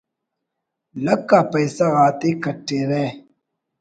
لکھ آ پیسہ غاتے کٹرہ